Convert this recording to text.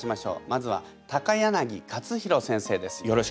まずは柳克弘先生です。